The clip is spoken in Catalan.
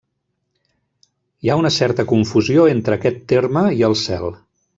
Hi ha una certa confusió entre aquest terme i el cel.